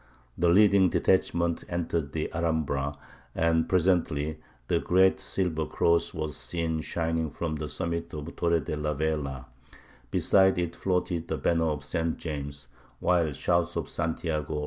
The leading detachment entered the Alhambra, and presently the great silver cross was seen shining from the summit of the Torre de la Vela; beside it floated the banner of St. James, while shouts of "Santiago!"